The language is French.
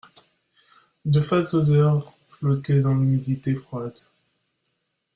De fades odeurs flottaient dans l'humidité froide.